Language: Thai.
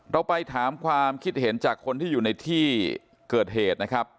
เราไปถามความคิดเห็นจากคนที่อยู่ในที่เกิดเหตุนะครับ